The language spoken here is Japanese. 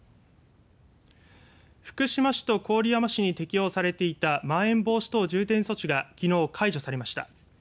福島市と郡山市に適用されていたまん延防止等重点措置が、きのう解除されました。